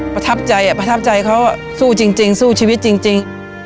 ประทับใจประทับใจเขาสู้จริงสู้ชีวิตจริง